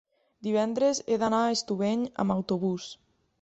Divendres he d'anar a Estubeny amb autobús.